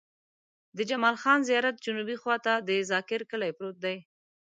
د جمال خان زيارت جنوبي خوا ته د ذاکر کلی پروت دی.